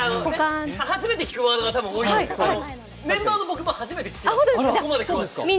初めて聞くワードが多いと思いますが、メンバーの僕も初めて聞きました。